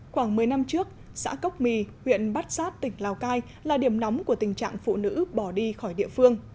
khoảng một mươi năm trước xã cốc mì huyện bát sát tỉnh lào cai là điểm nóng của tình trạng phụ nữ bỏ đi khỏi địa phương